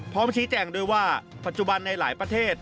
พร้อมชี้แจงด้วยว่าปัจจุบันในหลายประเทศ